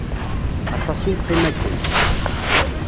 Aṭas i neqqim akken.